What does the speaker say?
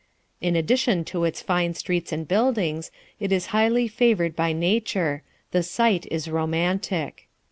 In addition to its fine streets and buildings, it is highly favored by Nature; the site is romantic.